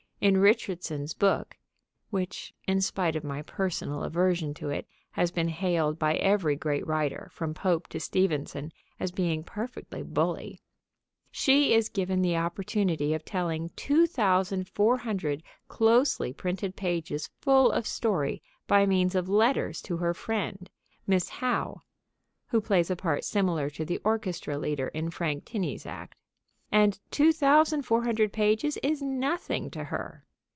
In Richardson's book (which, in spite of my personal aversion to it, has been hailed by every great writer, from Pope to Stevenson, as being perfectly bully) she is given the opportunity of telling 2,400 closely printed pages full of story by means of letters to her female friend, Miss Howe (who plays a part similar to the orchestra leader in Frank Tinney's act). And 2,400 pages is nothing to her.